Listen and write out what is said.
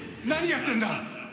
何やってんだ！？